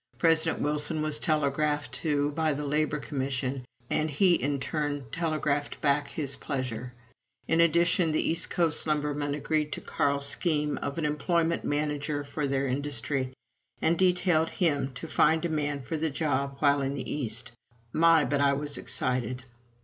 President Wilson was telegraphed to by the Labor Commission, and he in turn telegraphed back his pleasure. In addition, the East Coast lumbermen agreed to Carl's scheme of an employment manager for their industry, and detailed him to find a man for the job while in the East. My, but I was excited!